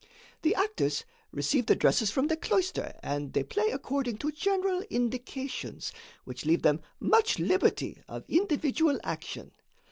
The actors receive the dresses from the cloister and they play according to general indications, which leave them much liberty of individual action.